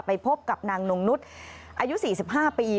ไปพบกับนางนงนุษย์อายุ๔๕ปี